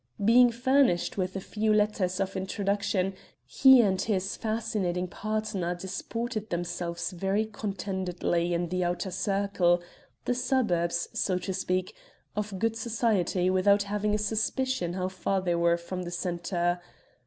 Being furnished with a few letters of introduction he and his fascinating partner disported themselves very contentedly in the outer circle the suburbs, so to speak of good society without having a suspicion how far they were from the centre.